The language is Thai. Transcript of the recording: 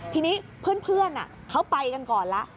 ทีนี้เพื่อนเขาไปกันก่อนแล้ว